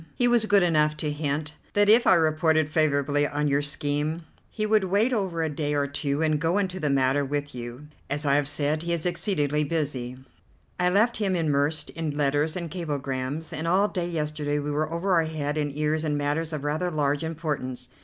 He was good enough to hint that if I reported favourably on your scheme, he would wait over a day or two and go into the matter with you. As I have said, he is exceedingly busy. I left him immersed in letters and cablegrams, and all day yesterday we were over head and ears in matters of rather large importance.